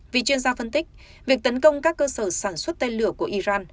vì chuyên gia phân tích việc tấn công các cơ sở sản xuất tên lửa của iran